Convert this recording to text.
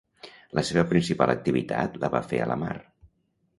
La seva principal activitat la va fer a la mar.